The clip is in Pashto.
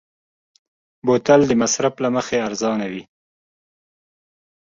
بوتل د مصرف له مخې ارزانه وي.